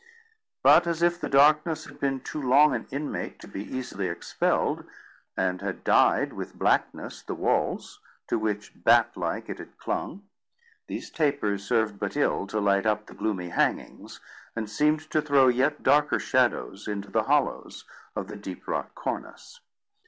But, as if the darkness had been too long an inmate to be easily expelled, and had dyed with blackness the walls to which, bat like, it had clung, these tapers served but ill to light up the gloomy hangings, and seemed to throw yet darker shadows into the hollows of the deep wrought cornice.